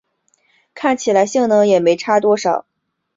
看起来性能也没差很多